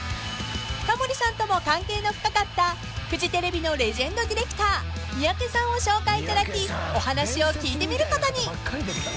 ［タモリさんとも関係の深かったフジテレビのレジェンドディレクター三宅さんを紹介いただきお話を聞いてみることに］